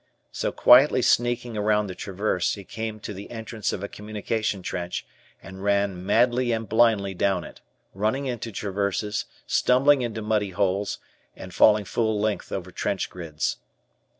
So quietly sneaking around the traverse, he came to the entrance of a communication trench, and ran madly and blindly down it, running into traverses, stumbling into muddy holes, and falling full length over trench grids.